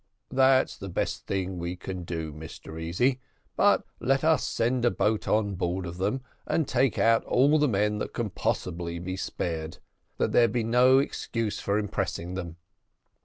"That's the best thing we can do, Mr Easy; but let us send a boat on board of them, and take out all the men that can possibly be spared, that there may be no excuse for impressing them."